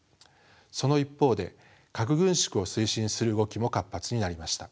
その一方で核軍縮を推進する動きも活発になりました。